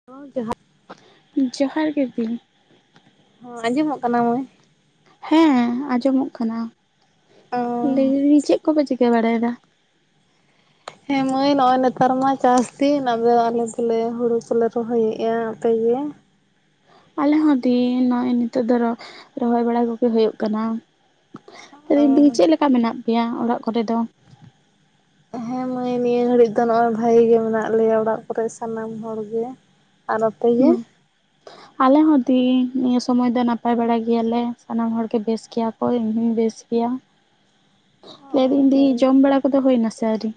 [unintelligible] ᱡᱟᱦᱟ ᱡᱚᱦᱟᱨ ᱜᱮ ᱫᱤ᱾ ᱦᱚᱸ ᱟᱸᱡᱚᱢᱚᱜ ᱠᱟᱱᱟ ᱢᱚᱹᱭ? ᱦᱮᱸ ᱟᱸᱡᱚᱢᱚᱜ ᱠᱟᱱᱟ, ᱞᱟᱹᱭᱫᱤᱧ ᱪᱮᱫ ᱠᱚᱯᱮ ᱪᱤᱠᱟᱹ ᱵᱟᱲᱟᱭ ᱫᱟ? ᱦᱮᱸ ᱢᱟᱹᱭ ᱱᱚᱜᱼᱚᱭ ᱱᱮᱛᱟᱨ ᱢᱟ ᱪᱟᱥ ᱫᱤᱱ ᱟᱫᱚ ᱟᱞᱮ ᱫᱚᱞᱮ ᱦᱩᱲᱩ ᱠᱚᱞᱮ ᱨᱚᱦᱚᱭᱮᱫᱼᱟ, ᱟᱯᱮᱜ ᱜᱮ? ᱟᱞᱮ ᱦᱚᱸ ᱫᱤ ᱱᱚᱜᱚᱭ ᱱᱤᱛᱚᱜ ᱫᱚ ᱨᱚᱲ ᱨᱚᱦᱚᱭ ᱵᱟᱲᱟ ᱠᱚᱜᱮ ᱦᱩᱭᱩᱜ ᱠᱟᱱᱟ᱾ ᱮ ᱫᱤ ᱪᱮᱫ ᱞᱮᱠᱟ ᱢᱮᱱᱟᱜ ᱯᱮᱭᱟ ᱚᱲᱟᱜ ᱠᱚᱨᱮ ᱫᱚ? ᱦᱮᱸ ᱢᱟᱹᱭ ᱱᱤᱭᱟᱹ ᱜᱷᱟᱹᱲᱤᱡ ᱫᱚ ᱱᱚᱜ ᱚᱚᱭ ᱵᱷᱟᱜᱤ ᱜᱮ ᱢᱮᱱᱟᱜ ᱞᱮᱭᱟ ᱚᱲᱟᱜ ᱠᱚᱨᱮ ᱥᱟᱱᱟᱢ ᱦᱚᱲ ᱜᱮ᱾ ᱟᱨ ᱟᱯᱮ ᱜᱮ? ᱦᱩᱸ [inaudible] ᱟᱞᱮ ᱦᱚᱸ ᱫᱤ ᱱᱤᱭᱟᱹ ᱥᱚᱢᱚᱭ ᱫᱚ ᱱᱟᱯᱟᱭ ᱵᱟᱲᱟ ᱜᱮᱭᱟᱞᱮ, ᱥᱟᱱᱟᱢ ᱦᱚᱲ ᱜᱮ ᱵᱮᱥ ᱜᱮᱭᱟ ᱠᱚ ᱤᱧᱦᱚᱸᱧ ᱵᱮᱥ ᱜᱮᱭᱟ᱾ ᱚ ᱞᱟᱹᱭ ᱫᱤᱧ ᱫᱤ ᱡᱚᱢ ᱦᱳᱭᱛᱚ ᱵᱟᱲᱟ ᱠᱚᱫᱚ ᱦᱩᱭ ᱱᱟᱥᱮ ᱟᱹᱣᱨᱤ?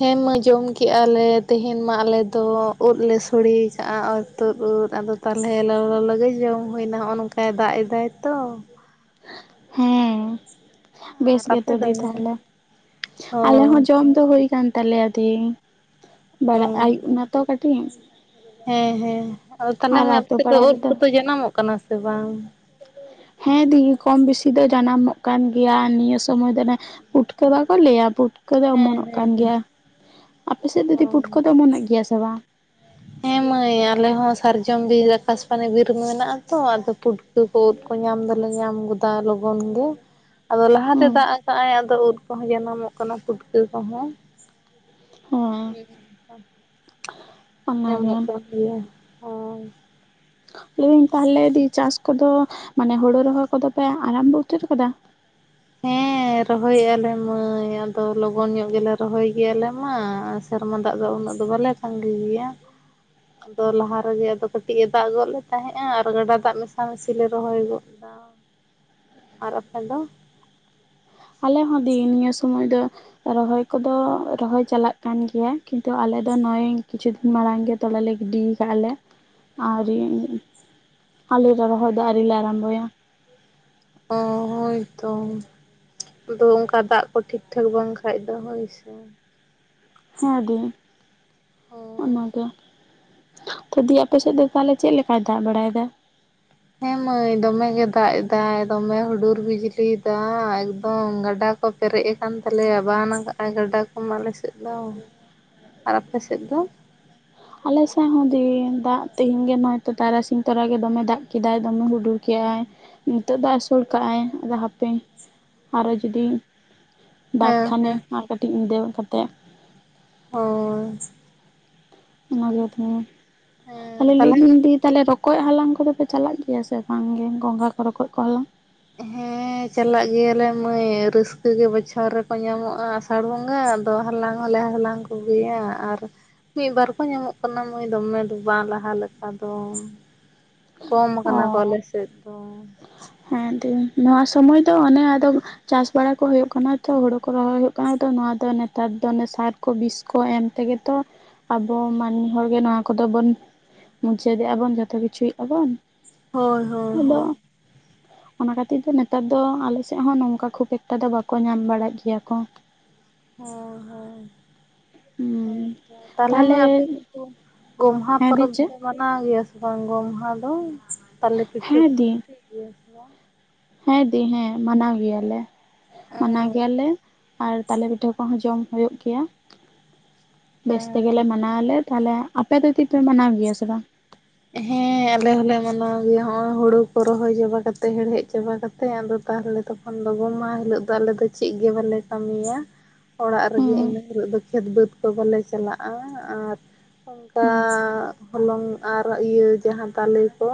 ᱦᱮᱸ ᱢᱟᱹᱤ ᱡᱚᱢ ᱠᱟᱜᱼᱟ ᱞᱮ ᱛᱮᱦᱮᱧ ᱢᱟ ᱟᱞᱮ ᱫᱚ ᱩᱫ ᱞᱮ ᱥᱳᱲᱮ ᱠᱟᱜᱼᱟ ᱚᱨᱛᱳᱫ ᱩᱫᱽ ᱟᱫᱚ ᱛᱟᱞᱚᱞᱮ ᱞᱚᱞᱚ ᱞᱚᱞᱚ ᱜᱮ ᱡᱚᱢ ᱦᱩᱭᱱᱟ ᱱᱚᱜᱼᱚ ᱱᱚᱝᱠᱟᱭ ᱫᱟᱜ ᱮᱫᱟᱭ ᱛᱚ᱾ ᱦᱮᱸ ᱵᱮᱥ ᱟᱨ ᱟᱯᱮ ᱜᱮᱛᱚ ᱫᱚ ᱫᱤ ᱛᱟᱦᱞᱮ ᱟᱞᱮ ᱦᱳᱭ ᱦᱚᱸ ᱡᱚᱢ ᱫᱚ ᱦᱩᱭ ᱠᱟᱱ ᱛᱟᱞᱮᱭᱟ ᱫᱤ ᱵᱟᱲᱟᱜ ᱦᱳᱭ ᱟᱹᱩᱵ ᱛᱚ ᱠᱟᱹᱴᱤᱡ᱾ ᱦᱮᱸ ᱦᱮᱸ ᱟᱫᱚ ᱛᱟᱦᱚᱞᱮ ᱟᱨ ᱢᱟᱸᱭ ᱟᱯᱮ ᱟᱛᱳ ᱥᱮᱫ ᱫᱚ ᱯᱟᱲᱟ ᱳᱫᱽ ᱨᱮᱫᱚ ᱠᱚᱫᱚ ᱡᱟᱱᱟᱢᱚᱜ ᱠᱟᱱᱟ ᱥᱮ ᱵᱟᱝ? ᱦᱮᱸ ᱫᱤ ᱠᱚᱢ ᱵᱤᱥᱤ ᱫᱚ ᱡᱟᱱᱟᱢᱚᱜ ᱠᱟᱱ ᱜᱮᱭᱟ᱾ ᱱᱤᱭᱟᱹ ᱥᱚᱢᱚᱭ ᱫᱚ ᱞᱮ ᱯᱩᱴᱠᱟᱹ ᱵᱟᱠᱚ ᱞᱟᱹᱭᱟ ᱯᱩᱴ ᱠᱟᱹ ᱫᱚ ᱦᱮᱸ ᱚᱢᱚᱱᱚᱜ ᱦᱮᱸ ᱠᱟᱱ ᱦᱮᱸ ᱜᱮᱭᱟ, ᱟᱯᱮ ᱥᱮᱫ ᱫᱚ ᱚ ᱫᱤ ᱯᱩᱴᱠᱟᱹ ᱫᱚ ᱚᱢᱚᱱᱚᱜ ᱜᱮᱭᱟ ᱥᱮ ᱵᱟᱝ? ᱦᱮᱸ ᱢᱟᱹᱭ ᱟᱞᱮ ᱦᱚᱸ ᱥᱟᱨᱡᱚᱢ ᱵᱤᱨ ᱟᱠᱟᱥᱵᱟᱱᱤ ᱵᱤᱨ ᱢᱮᱱᱟᱜ ᱟ ᱛᱚ ᱟᱫᱚ ᱯᱩᱰ ᱠᱟᱹ ᱠᱚ ᱩᱫᱽ ᱠᱚ ᱧᱟᱢ ᱫᱚᱞᱮ ᱧᱟᱢ ᱫᱟ ᱞᱚᱜᱚᱱ ᱜᱮ᱾ ᱟᱫᱚ ᱞᱟᱦᱟᱛᱮ ᱦᱩᱸ ᱫᱟᱜ ᱟᱠᱟᱭ ᱟᱫᱚ ᱩᱫ ᱠᱚᱦᱚᱸ ᱡᱟᱱᱟᱢᱚᱜ ᱠᱟᱱᱟ ᱯᱩᱴᱠᱟᱹ ᱠᱚᱦᱚᱸ᱾ ᱦᱮᱸ᱾ ᱧᱟᱢᱚᱜ ᱚᱱᱟᱜᱮ ᱠᱟᱱ ᱜᱮᱭᱟ᱾ ᱦᱳᱭ ᱞᱟᱹᱭ ᱫᱤᱧ ᱛᱟᱦᱚᱞᱮ ᱫᱤ ᱪᱟᱥ ᱠᱚᱫᱚ ᱢᱟᱱᱮ ᱦᱳᱲᱳ ᱨᱚᱦᱚᱭ ᱠᱚᱫᱚ ᱯᱮ ᱟᱨᱟᱢ ᱵᱚ ᱩᱛᱟᱹᱨ ᱟᱠᱟᱫᱟ? [inaudible] ᱨᱚᱦᱚᱭ ᱮᱜ ᱟᱞᱮ ᱢᱟᱹᱭ ᱟᱫᱚ ᱞᱚᱜᱚᱱ ᱧᱚᱜ ᱜᱮᱞᱮ ᱨᱚᱦᱚᱭ ᱜᱮᱭᱟ ᱟᱞᱮ ᱢᱟ, ᱥᱮᱨᱢᱟ ᱫᱟᱜ ᱫᱚ ᱩᱱᱟᱹᱜ ᱫᱚ ᱵᱟᱞᱮ ᱯᱟᱺᱰᱩ ᱜᱤᱭᱟ [inaudible] ᱟᱫᱚ ᱞᱟᱦᱟ ᱨᱮᱜᱮ ᱟᱫᱚ ᱠᱟᱹᱴᱤᱡ ᱮ ᱫᱟᱜ ᱜᱚᱫ ᱞᱮ ᱛᱟᱦᱮᱸᱜᱼᱟ ᱟᱨ ᱜᱟᱰᱟ ᱫᱟᱜ ᱢᱮᱥᱟ ᱢᱮᱥᱤ ᱞᱮ ᱨᱚᱦᱚᱭ ᱜᱚᱫ ᱟᱨ ᱟᱯᱮ ᱫᱚ ᱟᱞᱮ ᱦᱚᱸ ᱫᱤ ᱱᱤᱭᱟᱹ ᱥᱚᱢᱚᱭ ᱫᱚ ᱨᱚᱦᱚᱭ ᱠᱚᱫᱚ ᱨᱚᱦᱚᱭ ᱪᱟᱞᱟᱜ ᱠᱟᱱ ᱜᱮᱭᱟ ᱠᱤᱱᱛᱩ ᱟᱞᱮ ᱫᱚ ᱱᱚᱜᱼᱚᱭ ᱠᱤᱪᱷᱩ ᱫᱤᱱ ᱢᱟᱲᱟᱝ ᱜᱮ ᱫᱚᱢᱮᱞᱮ ᱜᱤᱰᱤ ᱠᱟᱜᱼᱟ ᱞᱮ ᱟᱨ ᱟᱞᱮ ᱫᱚ ᱨᱚᱦᱚᱭ ᱫᱚ ᱟᱹᱣᱨᱤᱞᱮ ᱟᱨᱟᱢᱵᱷᱚᱭᱟ ᱚᱸᱻ ᱦᱳᱭ ᱛᱚ ᱟᱫᱚ ᱚᱝᱠᱟ ᱫᱟᱜ ᱠᱚ ᱴᱷᱤᱠ ᱴᱷᱟᱠ ᱵᱟᱝ ᱠᱷᱟᱡ ᱫᱚ ᱦᱳᱭ ᱥᱮ ᱦᱮᱸ ᱫᱤ ᱚᱱᱟᱜᱮ ᱛᱚ ᱫᱤ ᱟᱯᱮ ᱥᱮᱫ ᱫᱚ ᱛᱟᱦᱚᱞᱮ ᱪᱮᱫ ᱞᱮᱠᱟᱭ ᱫᱟᱜ ᱵᱟᱲᱟᱭᱮᱫᱟ ᱦᱮᱸ ᱢᱟᱹᱭ ᱫᱚᱢᱮ ᱜᱮ ᱫᱟᱜ ᱮᱫᱟᱭ ᱫᱚᱢᱮ ᱦᱩᱰᱩᱨ ᱵᱤᱡᱽᱞᱤ ᱫᱟᱜ ᱮᱠᱫᱚᱢ ᱜᱟᱰᱟ ᱠᱚ ᱯᱮᱨᱮᱡ ᱟᱠᱟᱱ ᱛᱟᱞᱮᱭᱟ ᱵᱟᱱ ᱠᱟᱜ ᱟᱭ ᱜᱟᱰᱟ ᱠᱚᱢᱟ ᱟᱞᱮ ᱥᱮᱫ ᱫᱚ ᱟᱨ ᱟᱯᱮ ᱥᱮᱫ ᱫᱚ ᱟᱞᱮ ᱥᱮᱫ ᱦᱚᱸ ᱫᱤ ᱫᱟᱜ ᱛᱮᱦᱮᱧ ᱜᱮ ᱱᱚᱦᱚᱛᱚ ᱛᱟᱨᱟᱥᱤᱧ ᱛᱚᱨᱟ ᱜᱮ ᱫᱚᱢᱮ ᱫᱟᱜ ᱠᱮᱫᱟᱭ ᱫᱚᱢᱮ ᱦᱩᱰᱩᱨ ᱠᱮᱜᱟᱭ ᱱᱤᱛᱚᱜ ᱫᱚᱭ ᱟᱹᱥᱚᱲ ᱠᱟᱜᱟᱭ ᱟᱫᱚ ᱦᱟᱯᱮ ᱟᱨᱚ ᱡᱩᱫᱤ ᱫᱟᱜ ᱦᱮᱸ ᱠᱷᱟᱱᱮ ᱦᱮᱸ ᱟᱨ ᱠᱟᱹᱴᱤᱡ ᱧᱤᱫᱟᱹ ᱧᱚᱜ ᱠᱟᱛᱮ ᱦᱳᱭ ᱢᱟ ᱞᱟᱹᱭ ᱛᱟᱞᱟᱝ ᱢᱮ ᱛᱟᱦᱚᱞᱮ ᱞᱟᱹᱭ ᱫᱤ ᱨᱚᱠᱚᱡ ᱦᱟᱞᱟᱝ ᱠᱚᱫᱚ ᱯᱮ ᱪᱟᱞᱟᱜ ᱜᱮᱭᱟ ᱥᱮ ᱵᱟᱝ ᱜᱮ ᱜᱚᱸᱜᱷᱟ ᱠᱚ ᱨᱚᱠᱚᱡ ᱠᱚ ᱦᱟᱞᱟᱝ ᱦᱮᱸ ᱪᱟᱞᱟᱜ ᱜᱮᱭᱟᱞᱮ ᱢᱟᱹᱭ ᱨᱟᱹᱥᱠᱟᱹ ᱜᱮ ᱵᱚᱪᱷᱚᱨ ᱨᱮᱠᱚ ᱧᱟᱢᱚᱜᱼᱟ ᱟᱥᱟᱲ ᱵᱚᱸᱜᱟ ᱟᱫᱚ ᱦᱟᱞᱟᱝ ᱦᱚᱞᱮ ᱦᱟᱞᱟᱝ ᱠᱚ ᱜᱮᱭᱟ ᱟᱨ ᱢᱤᱫ ᱵᱟᱨ ᱠᱚ ᱧᱟᱢᱚᱜ ᱠᱟᱱᱟ ᱢᱟᱹᱭ ᱫᱚᱢᱮ ᱫᱚ ᱵᱟᱝ ᱞᱟᱦᱟ ᱞᱮᱠᱟ ᱫᱚ ᱠᱚᱢ ᱚ ᱟᱠᱟᱱᱟ ᱠᱚ ᱟᱞᱮ ᱥᱮᱫ ᱫᱚ ᱦᱮᱸ ᱫᱤ ᱱᱚᱣᱟ ᱥᱚᱢᱚᱭ ᱫᱚ ᱚᱱᱮ ᱟᱫᱚ ᱪᱟᱥ ᱵᱟᱲᱟ ᱠᱚ ᱦᱩᱭᱩᱜ ᱠᱟᱱᱟ ᱛᱚ ᱦᱩᱲᱩ ᱠᱚ ᱨᱚᱦᱚᱭ ᱦᱩᱭᱩᱜ ᱠᱟᱱᱟ ᱛᱚ ᱱᱚᱶᱟ ᱫᱚ ᱱᱮᱛᱟᱨ ᱫᱚ ᱥᱟᱨ ᱠᱚ ᱵᱤᱥ ᱠᱚ ᱮᱢ ᱛᱮᱜᱮ ᱛᱚ ᱟᱵᱚ ᱢᱟᱹᱱᱢᱤ ᱦᱚᱲᱜᱮ ᱱᱚᱣᱟ ᱠᱚᱫᱚ ᱵᱚᱱ ᱢᱩᱪᱟᱹᱫᱮᱜᱼᱟ ᱵᱚᱱ ᱡᱚᱛᱚ ᱠᱤᱪᱷᱩᱭ ᱭᱮᱫ ᱵᱚᱱ ᱦᱳᱭ ᱦᱳᱭ ᱟᱫᱚ ᱦᱳᱭ ᱚᱱᱟ ᱠᱷᱟᱹᱛᱤᱨ ᱫᱚ ᱱᱮᱛᱟᱨ ᱫᱚ ᱟᱞᱮᱥᱮᱫ ᱦᱚᱸ ᱱᱚᱝᱠᱟ ᱠᱷᱩᱵ ᱮᱠᱴᱟ ᱫᱚ ᱵᱟᱠᱚ ᱧᱟᱢ ᱵᱟᱲᱟᱜ ᱜᱮᱭᱟ ᱠᱚ ᱚᱸ ᱦᱟᱹᱭ ᱦᱩᱸ ᱦᱮᱸᱛᱚ ᱛᱟᱦᱞᱮ ᱛᱟᱦᱚᱞᱮ ᱢᱟᱹᱭ ᱟᱯᱮ ᱥᱮ ᱫᱚ ᱜᱚᱢᱦᱟ ᱦᱮᱸ ᱫᱤ ᱯᱚᱨᱚᱵᱽ ᱪᱮᱫ ᱫᱚ ᱢᱟᱱᱟᱣ ᱜᱮᱭᱟ ᱥᱮ ᱵᱟᱝ ᱜᱚᱢᱦᱟ ᱫᱚ ᱛᱟᱞᱮ ᱯᱤᱴᱷᱟᱹ ᱦᱮᱸ ᱠᱚ ᱫᱤ ᱠᱟᱹᱴᱤᱡ ᱜᱮᱭᱟ ᱥᱮ ᱵᱟᱝ ᱦᱮᱸ ᱫᱤ ᱦᱮᱸ ᱢᱟᱱᱟᱣ ᱜᱮᱭᱟᱞᱮ ᱚ ᱢᱟᱱᱟᱣ ᱜᱮᱭᱟᱞᱮ ᱟᱨ ᱛᱟᱞᱮ ᱯᱤᱴᱷᱟᱹ ᱠᱚᱦᱚᱸ ᱡᱚᱢ ᱦᱩᱭᱩᱜ ᱜᱮᱭᱟ ᱵᱮᱥ ᱛᱮᱜᱮᱞᱮ ᱚ ᱢᱟᱱᱟᱣ ᱟᱞᱮ ᱛᱟᱦᱚᱞᱮ ᱟᱯᱮ ᱫᱚ ᱪᱮᱫ ᱯᱮ ᱢᱟᱱᱟᱣ ᱜᱮᱭᱟ ᱥᱮ ᱵᱟᱝ ᱦᱮᱸ ᱦᱮᱸ ᱟᱞᱮ ᱦᱚᱸᱞᱮ ᱢᱟᱱᱟᱣ ᱜᱮᱭᱟ ᱱᱚᱜᱼᱚᱭ ᱦᱩᱲᱩ ᱠᱚ ᱨᱚᱦᱚᱭ ᱡᱚᱵᱟ ᱠᱟᱛᱮ ᱦᱮᱲᱦᱮᱫ ᱪᱟᱵᱟ ᱠᱟᱛᱮ ᱟᱫᱚ ᱛᱟᱦᱚᱞᱮ ᱫᱚ ᱠᱷᱚᱱ ᱞᱚᱜᱩᱢ ᱢᱟᱦᱟ ᱦᱤᱞᱳᱜ ᱫᱚ ᱟᱞᱮ ᱫᱚ ᱪᱮᱫ ᱜᱮ ᱵᱟᱞᱮ ᱠᱟᱹᱢᱤᱭᱟ [unintelligible] ᱚᱲᱟᱜ ᱨᱮᱜᱮ ᱦᱩᱸ ᱤᱱᱟᱹ ᱦᱤᱞᱳᱜ ᱫᱚ ᱠᱷᱮᱛ ᱵᱟᱹᱫᱽ ᱠᱚ ᱵᱟᱞᱮ ᱪᱟᱞᱟᱜᱼᱟ ᱟᱨ ᱚᱱᱠᱟ ᱦᱩᱸ ᱦᱚᱞᱚᱝ ᱟᱨ ᱤᱭᱟᱹ ᱡᱟᱦᱟᱸ ᱛᱟᱞᱮ ᱠᱚ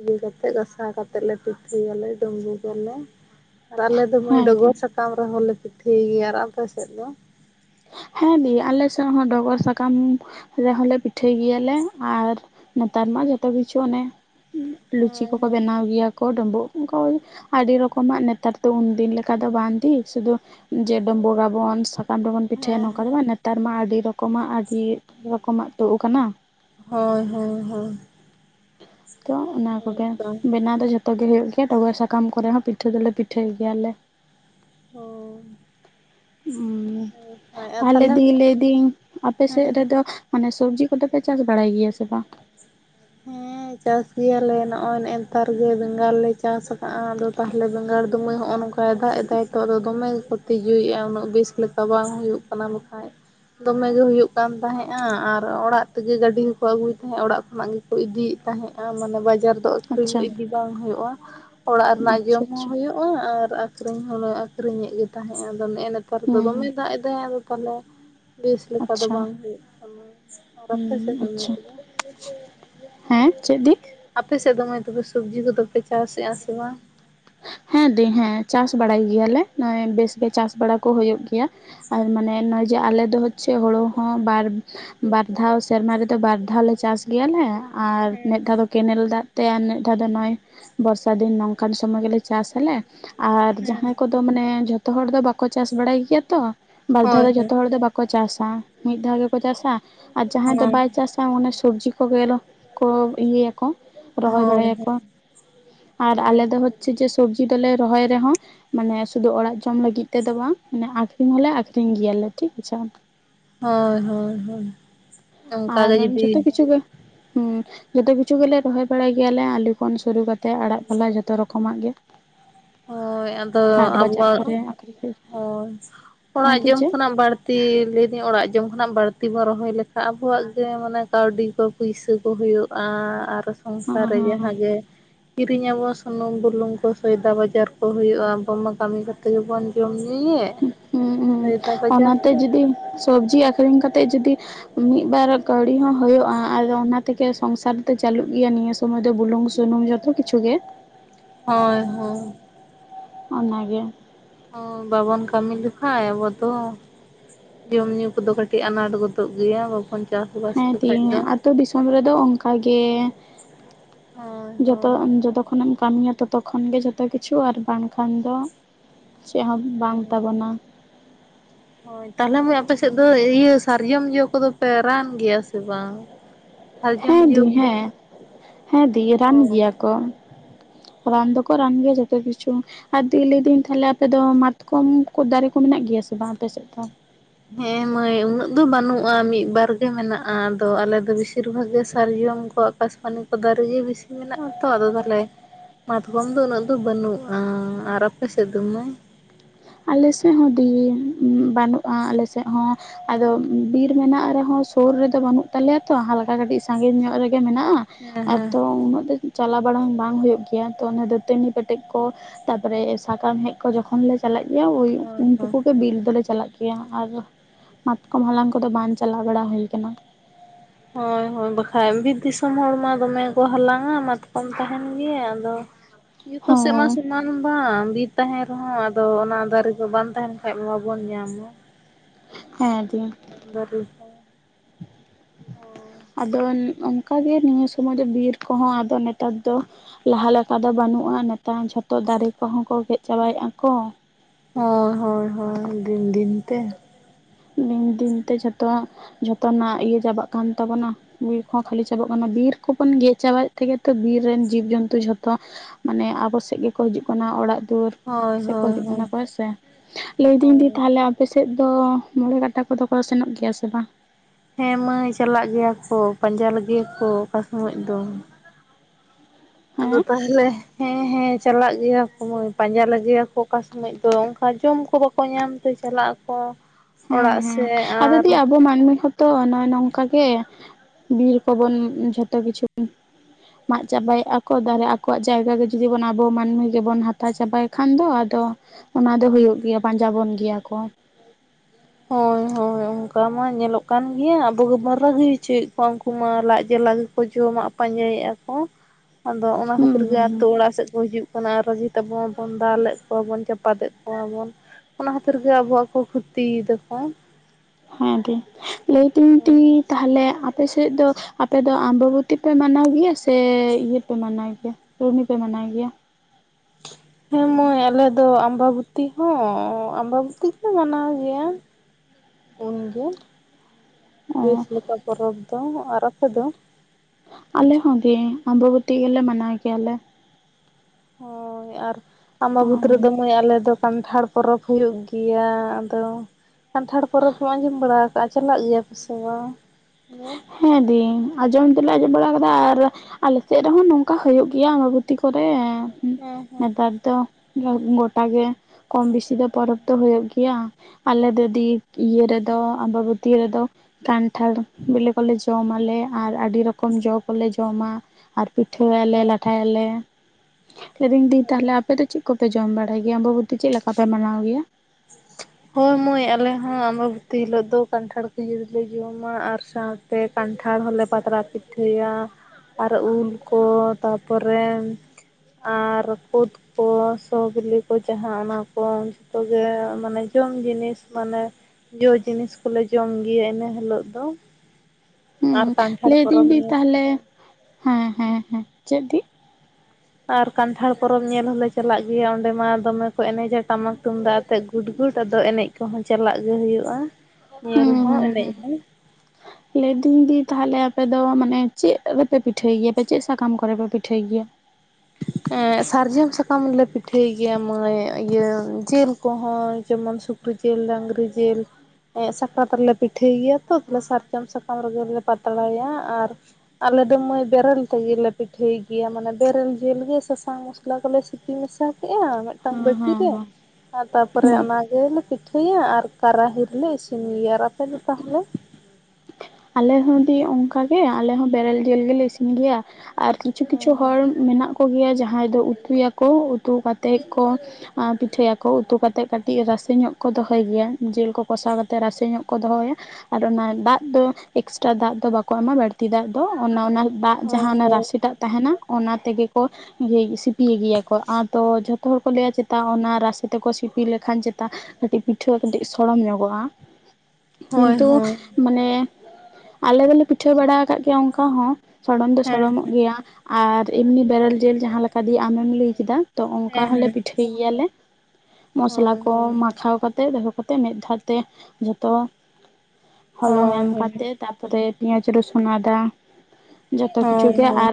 ᱤᱭᱟᱹ ᱠᱟᱛᱮᱫ ᱜᱷᱟᱥᱟᱣ ᱠᱟᱛᱮᱫ ᱞᱮ ᱯᱤᱴᱷᱟᱹᱭᱟᱞᱮ ᱰᱩᱢᱵᱩᱜ ᱟᱞᱮ ᱟᱨ ᱟᱞᱮ ᱫᱚ ᱦᱮᱸ ᱰᱚᱜᱚᱨ ᱫᱤ ᱥᱟᱠᱟᱢ ᱨᱮᱦᱚᱸ ᱞᱮ ᱯᱤᱴᱷᱟᱹᱭ ᱜᱮᱭᱟ ᱟᱨ ᱟᱯᱮ ᱥᱮᱫ ᱫᱚ ᱦᱮᱸ ᱫᱤ ᱟᱞᱮ ᱥᱮᱫ ᱦᱚᱸ ᱰᱚᱜᱚᱨ ᱥᱟᱠᱟᱢ ᱨᱮᱦᱚᱸ ᱞᱮ ᱯᱤᱴᱷᱟᱹᱭ ᱜᱮᱭᱟᱞᱮ ᱟᱨ ᱱᱮᱛᱟᱨ ᱢᱟ ᱡᱚᱛᱚ ᱠᱤᱪᱷᱩ ᱚᱱᱮ ᱞᱩᱪᱤ ᱦᱮᱸ ᱠᱚᱠᱚ ᱦᱮᱸ ᱵᱮᱱᱟᱣ ᱜᱮᱭᱟ ᱠᱚ ᱰᱩᱢᱵᱩᱜ ᱚᱱᱠᱟ ᱟᱹᱰᱤ ᱨᱚᱠᱚᱢᱟᱜ ᱱᱮᱛᱟᱨ ᱫᱚ ᱩᱱᱫᱤᱱ ᱞᱮᱠᱟ ᱫᱚ ᱵᱟᱝ ᱫᱤ ᱥᱩᱫᱷᱩ ᱡᱮ ᱰᱩᱢᱵᱩᱜ ᱜᱟᱵᱚᱱ ᱥᱟᱠᱟᱢ ᱨᱮᱵᱚᱱ ᱪᱷᱮ ᱦᱮᱸ ᱱᱚᱝᱠᱟ ᱫᱚ ᱦᱮᱸ ᱵᱟᱝ ᱱᱮᱛᱟᱨ ᱢᱟ ᱟᱹᱰᱤ ᱨᱚᱠᱚᱢᱟᱜ ᱟᱹᱰᱤ ᱨᱚᱠᱚᱢᱟᱜ ᱛᱩᱫ ᱟᱠᱟᱱᱟ ᱦᱳᱭ ᱦᱳᱭ ᱦᱳᱭ ᱾ ᱛᱚ ᱚᱱᱟ ᱠᱚᱜᱮ ᱛᱚ ᱵᱮᱱᱟᱣ ᱫᱚ ᱡᱚ ᱡᱚᱛᱚ ᱜᱮ ᱦᱩᱭᱩᱜ ᱜᱮᱭᱟ ᱰᱚᱜᱚᱨ ᱥᱟᱠᱟᱢ ᱠᱚᱨᱮ ᱦᱚᱸ ᱯᱤᱴᱷᱟᱹ ᱫᱚᱞᱮ ᱯᱤᱴᱷᱟᱹᱭ ᱜᱮᱭᱟᱞᱮ ᱾ ᱦᱳ ᱩᱸ ᱟᱨ ᱛᱟᱦᱞᱮ ᱛᱟᱦᱚᱞᱮ ᱫᱤ ᱞᱟᱹᱭᱫᱟᱹᱧ ᱟᱯᱮ ᱥᱮᱫ ᱦᱮᱸ ᱦᱮᱸ ᱨᱮᱫᱚ ᱢᱟᱱᱮ ᱥᱚᱵᱽᱡᱤ ᱠᱚᱫᱚᱯᱮ ᱪᱟᱥ ᱵᱟᱲᱟᱭ ᱜᱮᱭᱟ ᱥᱮ ᱵᱟᱝ? ᱦᱮᱸ ᱪᱟᱥ ᱜᱮᱭᱟᱞᱮ ᱱᱚᱜᱼᱚᱭ ᱱᱮᱜ-ᱛᱟᱨ ᱜᱮ ᱵᱮᱸᱜᱟᱲ ᱞᱮ ᱪᱟᱥ ᱟᱠᱟᱜᱼᱟ ᱟᱫᱚ ᱛᱟᱦᱚᱞᱮ ᱵᱮᱸᱜᱟᱲ ᱫᱚ ᱢᱟᱹᱭ ᱦᱚᱜᱼᱚᱭ ᱱᱚᱝᱠᱟᱭ ᱫᱟᱜ ᱮᱫᱟᱭ ᱛᱚ ᱟᱫᱚ ᱫᱚᱢᱮ ᱛᱤᱡᱩᱭᱮᱫᱼᱟ ᱩᱱᱟᱹᱜ ᱵᱮᱥ ᱞᱮᱠᱟ ᱵᱟᱝ ᱦᱩᱭᱩᱜ ᱠᱟᱱᱟ ᱵᱟᱠᱷᱟᱡ ᱫᱚᱢᱮ ᱜᱮ ᱦᱩᱭᱩᱜ ᱠᱟᱱ ᱛᱟᱦᱮᱸᱫᱼᱟ ᱟᱨ ᱚᱲᱟᱜ ᱛᱮᱜᱮ ᱜᱟᱹᱰᱤ ᱦᱚᱸᱠᱚ ᱟᱹᱜᱩᱭ ᱛᱟᱦᱮᱸᱫ ᱚᱲᱟᱜ ᱠᱷᱚᱱᱟᱜ ᱜᱮ ᱠᱚ ᱤᱫᱤᱭᱮᱫ ᱛᱟᱦᱮᱸᱜᱼᱟ ᱢᱟᱱᱮ ᱵᱟᱡᱟᱨ ᱫᱚ ᱟᱹᱠᱷᱨᱤᱧ ᱫᱚ ᱟᱪᱪᱷᱟ ᱤᱫᱤ ᱵᱟᱝ ᱦᱩᱭᱩᱜᱼᱟ ᱚᱲᱟᱜ ᱨᱮᱱᱟᱜ ᱟᱪᱪᱷᱟ ᱡᱚᱢ ᱦᱚᱸ ᱟᱪᱪᱷᱟ ᱦᱳᱭᱳ ᱟ ᱟᱨ ᱟᱠᱷᱨᱤᱧ ᱦᱚᱸᱞᱮ ᱟᱠᱷᱨᱤᱧᱮᱫ ᱜᱮ ᱛᱟᱦᱮᱸᱜᱼᱟ ᱟᱫᱚ ᱱᱮᱜᱼᱮ ᱱᱮᱛᱟᱨ ᱦᱩᱸ ᱫᱚᱢᱮ ᱫᱟᱜ ᱮᱫᱟᱭ ᱟᱫᱚ ᱛᱟᱦᱞᱮ ᱵᱮᱥ ᱞᱮᱠᱟ ᱫᱚ ᱟᱪᱪᱷᱟ ᱵᱟᱝ ᱦᱩᱭᱩᱜ ᱛᱟᱢᱟ ᱟᱯᱮ ᱥᱮᱫ ᱦᱩᱸ ᱫᱚ [unintelligible] ᱟᱪᱪᱷᱟ [unintelligible] ᱦᱮᱸ ᱪᱮᱫ ᱫᱤ? ᱟᱯᱮ ᱥᱮᱫ ᱫᱚ ᱢᱟᱹᱭ ᱛᱚᱵᱮ ᱥᱚᱵᱽᱡᱤ ᱠᱚᱫᱚᱯᱮ ᱪᱟᱥᱮᱫᱼᱟ ᱥᱮ ᱵᱟᱝ? ᱦᱮᱸ ᱫᱤ ᱦᱮᱸ ᱪᱟᱥ ᱵᱟᱲᱟᱭ ᱜᱮᱭᱟᱞᱮ ᱱᱚᱜᱼᱚᱭ ᱵᱮᱥ ᱜᱮ ᱪᱟᱥ ᱵᱟᱲᱟ ᱠᱚ ᱦᱳᱭᱳᱜ ᱜᱮᱭᱟ ᱟᱨ ᱢᱟᱱᱮ ᱱᱚᱜᱼᱚᱭ ᱡᱮ ᱟᱞᱮ ᱫᱚ ᱦᱚᱪᱪᱷᱮ ᱦᱳᱲᱳ ᱦᱚᱸ ᱵᱟᱨ ᱵᱟᱨ ᱫᱷᱟᱣ ᱥᱮᱨᱢᱟ ᱨᱮᱫᱚ ᱵᱟᱨ ᱫᱷᱟᱣ ᱞᱮ ᱪᱟᱥ ᱜᱮᱭᱟᱞᱮ ᱟᱨ ᱦᱮᱸ ᱢᱤᱫ ᱫᱷᱟᱣ ᱦᱮᱸ ᱫᱚ ᱠᱮᱱᱮᱞ ᱫᱟᱜ ᱛᱮ ᱟᱨ ᱢᱤᱫ ᱫᱷᱟᱣ ᱫᱚ ᱱᱚᱜᱼᱚᱭ ᱵᱚᱨᱥᱟ ᱫᱤᱱ ᱱᱚᱝᱠᱟᱱ ᱥᱚᱢᱚᱭ ᱜᱮᱞᱮ ᱪᱟᱥ ᱟᱞᱮ ᱟᱨ ᱦᱮᱸ ᱡᱟᱦᱟᱸᱭ ᱠᱚᱫᱚ ᱦᱮᱸ ᱢᱟᱱᱮ ᱡᱷᱚᱛᱚ ᱦᱚᱲ ᱫᱚ ᱵᱟᱠᱚ ᱪᱟᱥ ᱵᱟᱲᱟᱭ ᱜᱮᱭᱟ ᱛᱚ ᱵᱟᱨ ᱫᱷᱟᱣ ᱦᱳᱭ ᱫᱚ ᱦᱳᱭ ᱡᱷᱚᱛᱚ ᱦᱚᱲ ᱫᱚ ᱵᱟᱠᱚ ᱪᱟᱥᱟ ᱢᱤᱫ ᱫᱷᱟᱣ ᱜᱮᱠᱚ ᱪᱟᱥᱟ ᱟᱨ ᱡᱟᱦᱟᱸᱭ ᱫᱚ ᱦᱳᱭ ᱵᱟᱭ ᱪᱟᱥ ᱚᱱᱮ ᱢᱟᱱᱮ ᱥᱚᱵᱽᱡᱤ ᱠᱚᱜᱮᱞᱚ ᱠᱚ ᱤᱭᱟᱹ ᱠᱚ ᱨᱚᱦᱚᱭ ᱦᱳᱭ ᱦᱳᱭ ᱵᱟᱲᱟᱭᱟᱠᱚ ᱟᱨ ᱦᱮᱸ ᱟᱞᱮ ᱫᱚ ᱦᱚᱪᱷᱮ ᱥᱚᱵᱡᱤ ᱫᱚᱞᱮ ᱨᱚᱦᱚᱭ ᱨᱮᱦᱚᱸ ᱢᱟᱱᱮ ᱥᱩᱫᱷᱩ ᱚᱲᱟᱜ ᱡᱚᱢ ᱞᱟᱹᱜᱤᱫ ᱛᱮᱫᱚ ᱵᱟᱝ ᱟᱠᱷᱨᱤᱧ ᱦᱚᱸᱞᱮ ᱟᱠᱷᱨᱤᱧ ᱜᱮᱭᱟᱞᱮ ᱴᱷᱤᱠ ᱟᱪᱷᱮ ᱦᱳᱭ ᱦᱳᱭ ᱦᱳᱭ ᱚᱱᱠᱟ ᱟᱨ ᱜᱮ ᱡᱩᱫᱤ ᱡᱚᱛᱚ ᱠᱤᱪᱷᱩ ᱜᱮ ᱦᱩᱸ ᱡᱚᱛᱚ ᱠᱤᱪᱷᱩ ᱜᱮᱞᱮ ᱨᱚᱦᱚᱭ ᱵᱟᱲᱟᱭ ᱜᱮᱭᱟᱞᱮ ᱟᱞᱩ ᱠᱷᱚᱱ ᱥᱩᱨᱩ ᱠᱟᱛᱮᱫ ᱟᱲᱟᱜ ᱯᱟᱞᱟ ᱡᱷᱚᱛᱚ ᱨᱚᱠᱚᱢᱟᱜ ᱜᱮ ᱾ ᱦᱳᱭ ᱟᱫᱚ ᱟᱵᱚᱣᱟᱜ ᱟᱠᱷᱨᱤᱧ ᱦᱩᱭᱩᱜ ᱦᱳᱭ ᱦᱮᱸ ᱚᱲᱟᱜ ᱡᱚᱢ ᱴᱤᱪᱮ ᱠᱷᱚᱱᱟᱜ ᱵᱟᱹᱲ ᱛᱤ ᱞᱟᱹᱭᱫᱟᱹᱧ ᱚᱲᱟᱜ ᱡᱚᱢ ᱠᱷᱚᱱᱟᱜ ᱵᱟᱹᱲᱛᱤ ᱵᱚᱱ ᱨᱚᱦᱚᱭ ᱞᱮᱠᱷᱟᱡ ᱟᱵᱚᱣᱟᱜ ᱜᱮ ᱢᱟᱱᱮ ᱠᱟᱹᱣᱰᱤ ᱠᱚ ᱯᱩᱭᱥᱟᱹ ᱠᱚ ᱦᱩᱭᱩᱜ-ᱟ ᱟᱨ ᱥᱚᱝᱥᱟᱨ ᱦᱚᱸ ᱨᱮ ᱦᱚᱸ ᱡᱟᱦᱟ ᱦᱚᱸ ᱜᱮ ᱠᱤᱨᱤᱧ ᱟᱵᱚᱱ ᱥᱩᱱᱩᱢ ᱵᱩᱞᱩᱝ ᱠᱚ ᱥᱚᱭᱫᱟ ᱵᱟᱡ ᱡᱟᱨ ᱠᱚ ᱦᱩᱭᱩᱜ-ᱟ ᱟᱵᱚ ᱢᱟ ᱠᱟᱹᱢᱤ ᱠᱟᱛᱮ ᱜᱮᱵᱚᱱ ᱡᱚᱢ ᱧᱩᱭᱮᱫ ᱦᱩᱸ ᱦᱩᱸ ᱥᱚᱭᱫᱟ ᱵᱟᱡᱟᱨ ᱚᱱᱟᱛᱮ ᱠᱚ ᱡᱩᱫᱤ [unintelligible] ᱥᱚᱵᱽᱡᱤ ᱟᱠᱷᱨᱤᱧ ᱠᱟᱛᱮᱫ ᱡᱩᱫᱤ ᱢᱤᱫᱵᱟᱨ ᱠᱟᱹᱣᱰᱤ ᱦᱚᱸ ᱦᱩᱭᱩᱜ-ᱟ ᱟᱫᱚ ᱚᱱᱟᱛᱮᱜᱮ ᱥᱚᱝᱥᱟᱨ ᱫᱚ ᱪᱟᱹᱞᱩᱜ ᱜᱮᱭᱟ ᱱᱤᱭᱟᱹ ᱥᱚᱢᱚᱭ ᱫᱚ ᱵᱩᱞᱩᱝ ᱥᱩᱱᱩ ᱡᱚᱛᱚ ᱠᱤᱪᱷᱩ ᱜᱮ ᱦᱳᱭ ᱦᱳᱭ ᱚᱱᱟᱜᱮ, ᱚ ᱵᱟᱵᱚᱱ ᱠᱟᱹᱢᱤ ᱞᱮᱠᱷᱟᱡ ᱟᱵᱚ ᱫᱚ ᱡᱚᱢ ᱧᱩ ᱠᱚᱫᱚ ᱠᱟᱹᱴᱤᱡ ᱟᱱᱟᱴ ᱜᱚᱫᱚᱜ ᱜᱮᱭᱟ ᱵᱟ [unintelligible] ᱪᱟᱥ ᱦᱮᱸ ᱛᱮᱦᱤᱧᱟ ᱟᱹᱛᱩ ᱫᱤᱥᱚᱢ ᱨᱮᱫᱚ ᱚᱱᱠᱟ ᱜᱮ ᱦᱳᱭ ᱾ ᱡᱚᱛᱚ ᱦᱳᱭ ᱡᱚᱛᱚ ᱠᱷᱚᱱ ᱮᱢ ᱠᱟᱹᱢᱤᱭᱟ ᱛᱚ ᱠᱷᱚᱱ ᱜᱮ ᱡᱚᱛᱚ ᱠᱤᱪᱷᱩ ᱟᱨ ᱵᱟᱝᱠᱷᱟᱱ ᱫᱚ ᱪᱮᱫ ᱦᱚᱸ ᱵᱟᱝ ᱛᱟᱵᱚᱱᱟ ᱦᱳᱭ ᱛᱟᱦᱞᱮ ᱢᱟᱹᱭ ᱟᱯᱮ ᱥᱮᱫ ᱫᱚ ᱤᱭᱟᱹ ᱥᱟᱨᱡᱚᱢ ᱡᱚ ᱠᱚᱫᱚᱯᱮ ᱨᱟᱱ ᱜᱮᱭᱟ ᱥᱮ ᱵᱟᱝ? ᱥᱟᱨᱡᱚᱢ ᱦᱮᱸ ᱡᱚ ᱫᱤ ᱠᱚ ᱦᱮᱸ ᱦᱮᱸ ᱫᱤ ᱨᱟᱱ ᱦᱳᱭ ᱜᱮᱭᱟ ᱠᱚ ᱾ ᱨᱟᱱ ᱫᱚᱠᱚ ᱨᱟᱱ ᱜᱮᱭᱟ ᱡᱚᱛᱚ ᱠᱤᱪᱷᱩ ᱟᱨ ᱫᱤ ᱞᱟᱹᱭᱫᱟᱹᱧ ᱛᱟᱦᱚᱞᱮ ᱟᱯᱮ ᱫᱚ ᱢᱟᱛᱠᱚᱢ ᱠᱚ ᱫᱟᱨᱮ ᱠᱚ ᱢᱮᱱᱟᱜ ᱜᱮᱭᱟ ᱥᱮ ᱵᱟᱝ ᱟᱯᱮ ᱥᱮᱫ ᱫᱚ? ᱦᱮᱸ ᱢᱟᱹᱭ ᱩᱱᱟᱹᱜ ᱫᱚ ᱵᱟᱹᱱᱩᱜ-ᱟ ᱢᱤᱫ ᱵᱟᱨ ᱜᱮ ᱢᱮᱱᱟᱜᱼᱟ ᱾ ᱟᱫᱚ ᱟᱞᱮ ᱫᱚ ᱵᱮᱥᱤᱨ ᱵᱷᱟᱜᱽ ᱜᱮ ᱥᱟᱨᱡᱚᱢ ᱠᱚᱣᱟᱜ ᱟᱠᱟᱥᱯᱟᱱᱤ ᱠᱚ ᱫᱟᱨᱮᱜᱮ ᱵᱤᱥᱤ ᱢᱮᱱᱟᱜ ᱟᱛᱚ ᱟᱫᱚ ᱛᱟᱦᱚᱞᱮ ᱢᱟᱛᱠᱚᱢ ᱫᱚ ᱩᱱᱟᱹᱜ ᱫᱚ ᱵᱟᱹᱱᱩᱜᱼᱟ ᱟᱨ ᱟᱯᱮ ᱥᱮᱫ ᱫᱚ ᱢᱟᱹᱭ? ᱟᱞᱮᱥᱮᱫ ᱦᱚᱸ ᱫᱤ ᱵᱟᱹᱱᱩᱜᱼᱟ ᱟᱞᱮ ᱥᱮᱫ ᱦᱚᱸ ᱟᱫᱚ ᱵᱤᱨ ᱢᱮᱱᱟᱜ ᱨᱮᱦᱚᱸ ᱥᱩᱨ ᱨᱮᱫᱚ ᱵᱟᱹᱱᱩᱜ ᱛᱟᱞᱮᱭᱟ ᱛᱚ ᱦᱟᱞᱠᱟ ᱠᱟᱹᱴᱤᱡ ᱥᱟᱺᱜᱤᱧ ᱧᱚᱜ ᱨᱮᱜᱮ ᱢᱮᱱᱟᱜᱼᱟ ᱦᱮᱸ ᱾ ᱦᱮᱸ ᱟᱫᱚ ᱩᱱᱟᱹᱜ ᱫᱚ ᱪᱟᱞᱟᱣ ᱵᱟᱲᱟ ᱵᱟᱝ ᱦᱳᱭᱳᱜ ᱜᱮᱭᱟ ᱛᱚ ᱚᱱᱟ ᱫᱟᱹᱛᱟᱹᱱᱤ ᱯᱮᱴᱮᱡ ᱠᱚ ᱛᱟᱯᱚᱨᱮ ᱥᱟᱠᱟᱢ ᱦᱮᱡ ᱠᱚ ᱡᱚᱠᱷᱚᱱ ᱞᱮ ᱪᱟᱞᱟᱜ ᱳᱭ ᱦᱳᱭ ᱩᱱ ᱦᱳᱭ ᱴᱩᱠᱩ ᱜᱮ ᱵᱤᱨ ᱫᱚᱞᱮ ᱪᱟᱞᱟᱜ ᱜᱮ ᱭᱟ ᱟᱨ ᱢᱟᱛᱠᱚᱢ ᱦᱟᱞᱟᱝ ᱠᱚᱫᱚ ᱵᱟᱝ ᱪᱟᱞᱟᱣ ᱵᱟᱲᱟ ᱦᱳᱭ ᱟᱠᱟᱱᱟ ᱾ ᱦᱳᱭ ᱦᱳᱭ ᱵᱟᱠᱷᱟᱡ ᱵᱤᱨ ᱫᱤᱥᱚᱢ ᱦᱚᱲ ᱢᱟ ᱫᱚᱢᱮ ᱠᱚ ᱦᱟᱞᱟᱝᱟ ᱢᱟᱛᱠᱚᱢ ᱛᱟᱦᱮᱱ ᱜᱮ ᱟᱫᱚ ᱡᱚᱛᱚ ᱥᱮᱫ ᱢᱟ ᱦᱚᱸ ᱥᱚᱢᱟᱱ ᱵᱟᱝ ᱵᱤ ᱛᱟᱦᱮᱸ ᱨᱮᱦᱚᱸ ᱟᱫᱚ ᱚᱱᱟ ᱫᱟᱨᱮ ᱫᱚ ᱵᱟᱝ ᱛᱟᱦᱮᱱ ᱠᱷᱟᱡ ᱵᱟᱵᱚᱱ ᱧᱟᱢᱟ ᱾ ᱦᱮᱸ ᱫᱤ ᱾ [unintelligible] ᱟᱫᱚ ᱚᱱᱠᱟᱜᱮ ᱱᱤᱭᱟᱹ ᱥᱚᱢᱚᱭ ᱨᱮ ᱵᱤᱨ ᱠᱚᱦᱚᱸ ᱟᱫᱚ ᱱᱮᱛᱟᱨ ᱫᱚ ᱞᱟᱦᱟ ᱞᱮᱠᱟ ᱫᱚ ᱵᱟᱹᱱᱩᱜᱼᱟ ᱱᱮᱛᱟᱨ ᱡᱷᱚᱛᱚ ᱫᱟᱨᱮ ᱠᱚᱦᱚᱸ ᱠᱚ ᱜᱮᱫ ᱪᱟᱵᱟᱭᱮᱜᱼᱟ ᱠᱚ ᱦᱳᱭ ᱦᱳᱭ ᱦᱳᱭ ᱫᱤᱱ ᱫᱤᱱ ᱛᱮ ᱾ ᱫᱤᱱ ᱫᱤᱱ ᱛᱮ ᱡᱷᱚᱛᱚ ᱡᱷᱚᱛᱚᱱᱟᱜ ᱤᱭᱟᱹ ᱪᱟᱵᱟᱜ ᱠᱟᱱ ᱛᱟᱵᱚᱱᱟ ᱾ ᱵᱤᱨ ᱠᱚᱦᱚᱸ ᱠᱷᱟᱹᱞᱤ ᱪᱟᱵᱟᱜ ᱠᱟᱱᱟ ᱵᱤᱨ ᱠᱚᱵᱚᱱ ᱜᱮᱫ ᱪᱟᱵᱟᱭᱮᱫ ᱛᱮᱜᱮ ᱛᱚ ᱵᱤᱨ ᱨᱮᱱ ᱡᱤᱵ-ᱡᱚᱱᱛᱩ ᱡᱷᱚᱛᱚ ᱚᱱᱮ ᱟᱵᱚ ᱥᱮᱫ ᱜᱮᱠᱚ ᱦᱤᱡᱩᱜ ᱠᱟᱱᱟ ᱚᱲᱟᱜ ᱫᱩᱣᱟᱹᱨ ᱦᱳᱭ ᱾ ᱥᱮᱫ ᱠᱚ ᱦᱳᱭ ᱦᱤᱡᱩᱜ ᱦᱳᱭ ᱠᱟᱱᱟ ᱠᱚ ᱦᱮᱸ ᱥᱮ ᱞᱟᱹᱭᱫᱤᱧ ᱦᱳᱭ ᱫᱤ ᱛᱟᱦᱚᱞᱮ ᱟᱯᱮ ᱥᱮᱫ ᱫᱚ ᱢᱚᱬᱮ ᱠᱟᱴᱟ ᱠᱚᱫᱚ ᱠᱚ ᱥᱮᱱᱚᱜ ᱜᱮᱭᱟ ᱥᱮ ᱵᱟᱝ? ᱦᱮᱸ ᱢᱟᱹᱭ ᱪᱟᱞᱟᱜ ᱜᱮᱭᱟ ᱠᱚ ᱯᱟᱸᱡᱟ ᱞᱮ ᱜᱮᱭᱟ ᱠᱚ ᱚᱠᱟ ᱥᱚᱢᱚᱭ ᱫᱚ ᱟᱫᱚ ᱦᱮᱸ ᱛᱟᱦᱚᱞᱮ ᱦᱮᱸ ᱦᱮᱸ ᱪᱟᱞᱟᱜ ᱜᱮᱭᱟ ᱠᱚ ᱢᱟᱹᱭ ᱯᱟᱸᱡᱟ ᱞᱮᱜᱮᱭᱟ ᱠᱚ ᱚᱠᱟ ᱥᱚᱢᱚᱭ ᱫᱚ ᱚᱱᱠᱟ ᱡᱚᱢ ᱠᱚ ᱵᱟᱠᱚ ᱧᱟᱢ ᱛᱮ ᱪᱟᱞᱟᱜ ᱟᱠᱚ ᱚᱲᱟᱜ ᱦᱮᱸ ᱦᱮᱸ ᱥᱮᱜ ᱟᱫᱚ ᱟᱨ ᱫᱤ ᱟᱵᱚ ᱢᱟᱹᱱᱢᱤ ᱦᱚᱛᱚ ᱱᱚᱜᱼᱚᱭ ᱱᱚᱝᱠᱟ ᱜᱮ ᱵᱤᱨ ᱠᱚᱵᱚᱱ ᱡᱷᱚᱛᱚ ᱠᱤᱪᱷᱩ ᱢᱟᱜ ᱪᱟᱵᱟᱭᱮᱫ ᱟᱠᱚ ᱫᱟᱨᱮ ᱟᱠᱚᱣᱟᱜ ᱡᱟᱭᱜᱟ ᱜᱮ ᱡᱩᱫᱤ ᱵᱚᱱ ᱟᱵᱚ ᱢᱟᱹᱱᱢᱤ ᱜᱮᱵᱚᱱ ᱦᱟᱛᱟᱣ ᱪᱟᱵᱟᱭ ᱠᱷᱟᱱ ᱫᱚ ᱟᱫᱚ ᱚᱱᱟ ᱫᱚ ᱦᱳᱭᱳ ᱜᱮᱭᱟ ᱯᱟᱸᱡᱟ ᱵᱚᱱ ᱜᱮᱭᱟ ᱠᱚ, ᱦᱳᱭ ᱦᱳᱭ ᱾ ᱚᱱᱠᱟ ᱢᱟ ᱧᱮᱞᱚᱜ ᱠᱟᱱ ᱜᱮᱭᱟ ᱾ ᱟᱵᱚ ᱜᱮᱵᱚᱱ ᱨᱟᱜᱤ ᱦᱚᱪᱚᱭᱮᱫ ᱠᱚᱣᱟ ᱩᱱᱠᱩ ᱢᱟ ᱞᱟᱡ ᱡᱟᱞᱟ ᱜᱮᱠᱚ ᱡᱚᱢᱟ ᱯᱟᱸᱡᱟᱹᱭᱮᱫᱼᱟ ᱠᱚ [inaudible] ᱟᱫᱚ ᱚᱱᱟ ᱦᱩᱸ ᱠᱷᱟᱹᱛᱤᱨ ᱜᱮ ᱦᱩᱸ ᱟᱛᱳ ᱚᱲᱟᱜ ᱥᱮᱫ ᱠᱚ ᱦᱤᱡᱩᱜ ᱼᱼ ᱠᱟᱱᱟ ᱟᱨ ᱨᱟᱜᱤ ᱟᱵᱚ ᱵᱚᱱ ᱫᱟᱞᱮᱫ ᱠᱚᱣᱟ ᱵᱚᱱ ᱪᱟᱯᱟᱫᱮᱫ ᱠᱚᱣᱟ ᱵᱚᱱ ᱾ ᱚᱱᱟ ᱠᱷᱟᱹᱛᱤᱨ ᱜᱮ ᱟᱵᱚᱣᱟᱜ ᱠᱚ ᱠᱷᱚᱛᱤ ᱫᱟᱠᱚ ᱦᱮ ᱫᱤ ᱞᱟᱹᱭ ᱫᱤᱧ ᱫᱤ ᱛᱟᱦᱚᱞᱮ ᱟ ᱟᱯᱮᱥᱮᱫ ᱫᱚ ᱟᱯᱮ ᱫᱚ ᱟᱢᱵᱟᱵᱚᱛᱤ ᱯᱮ ᱢᱟᱱᱟᱣ ᱜᱮᱭᱟ ᱥᱮ ᱤᱭᱟᱹ ᱯᱮ ᱢᱟᱱᱟᱣ ᱜᱮᱭᱟ? ᱨᱩᱱᱦᱤ ᱯᱮ ᱢᱟᱱᱟᱣ ᱜᱮᱭᱟ? ᱦᱮᱸ ᱢᱟᱹᱭ ᱟᱞᱮ ᱫᱚ ᱟᱢᱵᱟᱵᱚᱛᱤ ᱦᱚᱸ ᱟᱢᱵᱟᱵᱚᱛᱤ ᱫᱚᱞᱮ ᱢᱟᱱᱟᱣ ᱜᱮᱭᱟ ᱾ ᱩᱱ ᱜᱮ ᱵᱮᱥ ᱚ ᱞᱮᱠᱟ ᱯᱚᱨᱚᱵᱽ ᱫᱚ ᱟᱨ ᱟᱯᱮ ᱫᱚ ᱟᱞᱮ ᱦᱚ ᱫᱤ ᱟᱢᱟᱵᱚᱛᱤ ᱜᱮᱞᱮ ᱢᱟᱱᱟᱣ ᱜᱮᱭᱟᱞᱮ ᱦᱳᱭ ᱟᱨ ᱚ ᱟᱢᱵᱟᱵᱚᱛᱤ ᱨᱮᱫᱚ ᱢᱟᱹᱭ ᱟᱞᱮ ᱫᱚ ᱠᱟᱱᱴᱷᱟᱲ ᱯᱚᱨᱚᱵᱽ ᱦᱩᱭᱩᱜ ᱜᱮᱭᱟ, ᱟᱫᱚ ᱠᱟᱱᱴᱷᱟᱲ ᱯᱚᱨᱚᱵᱽ ᱦᱚ ᱟᱸᱡᱚᱢ ᱵᱟᱲᱟ ᱟᱠ ᱪᱟᱞᱟᱜ ᱜᱮᱭᱟ ᱯᱮᱥᱮ ᱵᱟᱝ ᱧᱮᱞ? ᱦᱮ ᱫᱤ ᱟᱸᱡᱚᱢ ᱫᱚᱞᱮ ᱟᱸᱡᱚᱢ ᱵᱟᱲᱟ ᱟᱠᱟᱫᱟ ᱟᱨ ᱟᱞᱮᱥᱮᱫ ᱨᱮᱦᱚ ᱱᱚᱝᱠᱟ ᱦᱩᱭᱩᱜ ᱜᱮᱭᱟ ᱟᱵᱟᱵᱚᱛᱤ ᱠᱚᱨᱮ ᱦᱮᱸ ᱦᱮᱸ ᱱᱮᱛᱟᱨ ᱫᱚ ᱜᱚᱴᱟᱜ ᱜᱮ ᱠᱚᱢ ᱵᱮᱥᱤ ᱫᱚ ᱯᱚᱨᱚᱵᱽ ᱫᱚ ᱦᱳᱭᱳᱜ ᱜᱮᱭᱟ ᱟᱞᱮ ᱫᱚ ᱫᱤ ᱤᱭᱟᱹ ᱨᱮᱫᱚ ᱟᱵᱟᱵᱚᱛᱤ ᱨᱮᱫᱚ ᱠᱟᱱᱴᱷᱟᱲ ᱵᱮᱞᱮ ᱠᱚᱞᱮ ᱡᱚᱢᱟᱞᱮ ᱟᱨ ᱟᱹᱰᱤ ᱨᱚᱠᱚᱢ ᱡᱚ ᱠᱚᱞᱮ ᱡᱚᱢᱟ ᱟᱨ ᱯᱤᱴᱷᱟᱹ ᱭᱟᱞᱮ ᱦᱮᱸ ᱞᱟᱴᱷᱟ ᱭᱟᱞᱮ ᱞᱟᱹᱭ ᱫᱤᱧ ᱫᱤ ᱛᱟᱦᱚᱞᱮ ᱦᱮᱸ ᱛᱚ ᱟᱯᱮᱫ ᱫᱚ ᱪᱮᱫ ᱠᱚᱯᱮ ᱡᱚᱢ ᱵᱟᱲᱟᱭ ᱜᱮᱭᱟ ᱟᱢᱵᱟᱵᱚᱛᱤ ᱪᱮᱫ ᱞᱮᱠᱟ ᱯᱮ ᱢᱟᱱᱟᱣ ᱜᱮᱭᱟ ᱦᱳᱭ ᱢᱟᱹᱭ ᱟᱞᱮ ᱦᱚ ᱟᱢᱵᱟᱵᱚᱛᱤ ᱦᱤᱞᱳᱜ ᱫᱚ ᱠᱟᱱᱴᱷᱟᱲ ᱠᱷᱟᱡᱟᱲᱤ ᱞᱮ ᱡᱚᱢᱟ ᱟᱨ ᱥᱟᱶᱛᱮ ᱠᱟᱱᱴᱷᱟᱲ ᱦᱚᱞᱮ ᱯᱟᱛᱲᱟ ᱯᱤᱴᱷᱟᱹᱭᱟ ᱟᱨ ᱩᱞ ᱠᱚ ᱛᱟᱯᱚᱨᱮ ᱟᱨ ᱠᱩᱫ ᱠᱚ ᱥᱚ ᱵᱤᱞᱤ ᱠᱚ ᱡᱟᱦᱟ ᱚᱱᱟ ᱠᱚ ᱡᱚᱛᱚ ᱜᱮ ᱢᱟᱱᱮ ᱡᱚᱢ ᱡᱤᱱᱤᱥ ᱢᱟᱱᱮ ᱡᱚ ᱡᱤᱱᱤᱥ ᱠᱚᱞᱮ ᱡᱚᱢ ᱜᱮᱭᱟ ᱤᱱᱟᱹ ᱦᱤᱞᱳᱜ ᱫᱚ ᱦᱩ ᱟᱨ ᱠᱟᱱᱴᱷᱟᱲ ᱯᱚᱨᱚᱵᱽ ᱞᱟᱹᱭᱫᱤᱧ ᱤ ᱧᱮᱞ ᱛᱟᱦᱚᱞᱮ ᱦᱚᱸ ᱦᱮ ᱦᱮ ᱪᱮᱫ ᱫᱤ ᱟᱨ ᱠᱟᱱᱴᱷᱟᱲ ᱯᱚᱨᱚᱵᱽ ᱧᱮᱞ ᱦᱚᱞᱮ ᱪᱟᱞᱟᱜ ᱜᱮᱭᱟ ᱚᱸᱰᱮ ᱢᱟ ᱫᱚᱢᱮ ᱠᱚ ᱮᱱᱮᱡᱟ ᱴᱟᱢᱟᱠ ᱛᱩᱢᱫᱟᱜ ᱟᱛ ᱛᱮ ᱜᱩᱰᱜᱩᱰ ᱟᱫᱚ ᱮᱱᱮᱡ ᱠᱚᱦᱚ ᱪᱟᱞᱟᱜ ᱜᱮ ᱦᱩᱭᱩᱜᱼᱟ ᱧᱮᱞ ᱦᱚᱸ ᱮᱱᱮᱡ ᱦᱚᱸ ᱞᱟᱹᱭᱫᱤᱧ ᱫᱤ ᱛᱟᱦᱞᱮ ᱟᱯᱮ ᱫᱚ ᱢᱟᱱᱮ ᱪᱮᱫ ᱨᱮᱯᱮ ᱯᱤᱴᱷᱟᱹᱭ ᱜᱮᱭᱟᱯᱮ ᱪᱮᱫ ᱥᱟᱠᱟᱢ ᱠᱚᱨᱮᱯᱮ ᱯᱤᱴᱷᱟᱹᱭ ᱜᱮᱭᱟ ᱮᱸᱜ ᱥᱟᱨᱡᱚᱢ ᱥᱟᱠᱟᱢ ᱨᱮᱞᱮ ᱯᱤᱴᱷᱟᱹᱭ ᱜᱮᱭᱟ ᱢᱟᱹᱭ ᱤᱭᱟᱹ ᱡᱮᱞ ᱠᱚᱦᱚ ᱡᱮᱢᱚᱱ ᱥᱩᱠ ᱥᱩᱠᱨᱤ ᱡᱮᱞ ᱰᱟᱝᱨᱤ ᱡᱮᱞ ᱮᱸᱜ ᱥᱟᱠᱨᱟᱛ ᱨᱮᱞᱮ ᱯᱤᱴᱷᱟᱹᱭ ᱜᱮᱭᱟ ᱛᱚ ᱛᱟᱦᱞᱮ ᱥᱟᱨᱡᱚᱢ ᱥᱟᱠᱟᱢ ᱨᱮᱜᱮᱞᱮ ᱯᱟᱛᱲᱟᱭᱟ ᱟᱨ ᱟᱞᱮ ᱫᱚ ᱢᱟᱹᱭ ᱵᱮᱨᱮᱞ ᱛᱮᱜᱮᱞᱮ ᱯᱤᱴᱷᱟᱹᱭ ᱜᱮᱭᱟ ᱢᱟᱱᱮ ᱵᱮᱨᱮᱞ ᱡᱮᱞ ᱜᱮ ᱥᱟᱥᱟᱝ ᱢᱚᱥᱞᱟ ᱠᱚᱞᱮ ᱥᱤᱯᱤ ᱢᱮᱥᱟ ᱠᱮᱜᱼᱟ ᱢᱤᱫᱴᱟᱝ ᱦᱮᱸ ᱵᱟᱴᱤ ᱦᱮᱸ ᱨᱮ ᱦᱮᱸ ᱟᱨ ᱛᱟᱯᱚᱨᱮ ᱦᱩᱸ ᱡᱮ ᱞᱮ ᱯᱤᱴᱷᱟᱹᱭᱟ ᱟᱨ ᱠᱟᱨᱟᱦᱤ ᱨᱮᱞᱮ ᱤᱥᱤᱱ ᱜᱮᱭᱟ ᱟᱨ ᱟᱯᱮ ᱫᱚ ᱛᱟᱦᱞᱮ ᱟᱞᱮᱦᱚ ᱫᱤ ᱚᱱᱠᱟᱜᱮ ᱟᱞᱮᱦᱚ ᱵᱮᱨᱮᱞ ᱡᱮᱞ ᱜᱮᱞᱮ ᱤᱥᱤᱱ ᱜᱮᱭᱟ ᱟᱨ ᱠᱤᱪᱷᱩ ᱦᱮᱸ ᱠᱤᱪᱷᱩ ᱦᱮᱸ ᱦᱚᱲ ᱢᱮᱱᱟᱜ ᱠᱚᱜᱮᱭᱟ ᱡᱟᱦᱟᱸᱭ ᱫᱚ ᱩᱛᱩᱭᱟᱠᱚ ᱩᱛᱩ ᱠᱟᱛᱮᱫ ᱠᱚ ᱟᱨ ᱯᱤᱴᱷᱟᱹᱭᱟᱠᱚ ᱩᱛᱩ ᱠᱟᱛᱮ ᱠᱟᱹᱴᱤᱡ ᱨᱟᱥᱮ ᱧᱚᱜ ᱠᱚ ᱫᱚᱦᱚᱭ ᱜᱮᱭᱟ ᱡᱤᱞ ᱠᱚ ᱠᱚᱥᱟᱣ ᱠᱟᱛᱮᱫ ᱨᱟᱥᱮ ᱧᱚᱜ ᱠᱚ ᱫᱚᱦᱚᱭᱟ ᱟᱨ ᱚᱱᱟ ᱫᱟᱜ ᱫᱚ ᱮᱠᱥᱴᱨᱟ ᱫᱟᱜ ᱫᱚ ᱵᱟᱠᱚ ᱮᱢᱟ ᱵᱟᱹᱲᱛᱤ ᱫᱟᱜ ᱫᱚ ᱚᱱᱟ ᱚᱱᱟ ᱫᱟᱜ ᱡᱟᱦᱟ ᱦᱳᱭ ᱚᱱᱟ ᱨᱟᱥᱮ ᱫᱟᱜ ᱛᱟᱦᱮᱱᱟ ᱚᱱᱟ ᱛᱮᱜᱮ ᱠᱚ ᱤᱭᱟᱹᱭ ᱥᱤᱯᱤᱭ ᱜᱮᱭᱟᱠᱚ ᱟᱫᱚ ᱡᱷᱚᱛᱚ ᱦᱚᱲ ᱠᱚ ᱞᱟᱹᱭᱟ ᱪᱮᱛᱟ ᱚᱱᱟ ᱨᱟᱥᱮ ᱛᱮᱠᱚ ᱥᱤᱯᱤ ᱞᱮᱠᱷᱟᱱ ᱪᱮᱛᱟ ᱠᱟᱹᱴᱤᱡ ᱯᱤᱴᱷᱟᱹ ᱠᱟᱹᱴᱤᱡ ᱥᱚᱲᱚᱢ ᱧᱚᱜᱚᱜᱼᱟ ᱦᱳᱭ ᱠᱤᱱᱛᱩ ᱦᱳᱭ ᱢᱟᱱᱮ ᱟᱞᱮ ᱫᱚᱞᱮ ᱯᱤᱴᱷᱟᱹ ᱵᱟᱲᱟ ᱟᱠᱟᱫ ᱜᱮᱭᱟ ᱚᱱᱠᱟ ᱦᱚ ᱥᱚᱲᱚᱢ ᱫᱚ ᱦᱳᱭ ᱥᱚᱲᱚᱢᱚᱜ ᱜᱮᱭᱟ ᱟᱨ ᱮᱢᱱᱤ ᱦᱳᱭ ᱵᱮᱨᱮᱞ ᱡᱮᱞ ᱡᱟᱦᱟᱸ ᱞᱮᱠᱟ ᱫᱤ ᱟᱢᱮᱢ ᱞᱟᱹᱭ ᱠᱮᱫᱟ᱾ ᱛᱚ ᱦᱮᱸ ᱦᱮᱸ ᱦᱳᱭ ᱚᱱᱠᱟ ᱦᱮᱸ ᱦᱚᱸᱞᱮ ᱦᱮᱸ ᱯᱤᱴᱷᱟᱹᱭ ᱜᱮᱭᱟᱞᱮ ᱢᱚᱥᱞᱟ ᱦᱳᱭ ᱠᱚ ᱦᱳᱭ ᱢᱟᱠᱷᱟᱣ ᱠᱟᱛᱮ᱾ ᱠᱟᱛᱮ ᱢᱤᱫ ᱫᱷᱟᱣ ᱛᱮ ᱡᱦᱚᱛᱚ ᱦᱚᱞᱚᱝ ᱮᱢ ᱠᱟᱛᱮ ᱦᱳᱭ ᱦᱳᱭ ᱛᱟᱯᱚᱨᱮ ᱯᱮᱸᱭᱟᱡ ᱨᱚᱥᱩᱱ ᱟᱫᱟ ᱡᱷᱚᱛᱚ ᱠᱤᱪᱷᱩ ᱦᱳᱭ ᱜᱮ ᱦᱳᱭ ᱟᱨ᱾